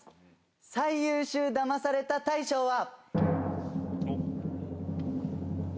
最優秀ダマされた大賞は。